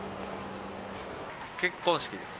結婚式です。